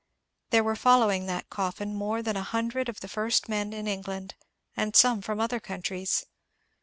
There were following that coffin more than a hundred of the first men in England and some from other countries.